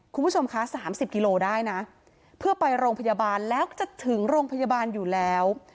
คุณผู้ชมคะ๓๐กิโลได้นะเพื่อไปโรงพยาบาลแล้วจะถึงโรงพยาบาลอยู่แล้ว